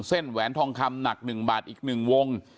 ๑บาท๑เส้นแหวนทองคำหนัก๑บาทอีก๑วง